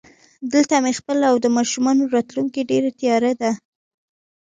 دلته مې خپل او د ماشومانو راتلونکی ډېر تیاره دی